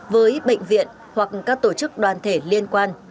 với bệnh viện hoặc các tổ chức đoàn thể liên quan